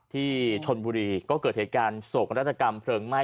ที่ชนบุรีก็เกิดเหตุการณ์โศกนาฏกรรมเพลิงไหม้